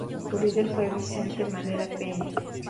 Su líder fue Vicente Madera Peña.